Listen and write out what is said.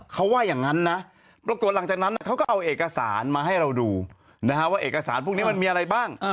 เขาว่าอย่างนั้นนะปรากฏหลังจากนั้นเขาก็เอาเอกสารมาให้เราดูว่าเอกสารพวกนี้มันมีอะไรบ้าง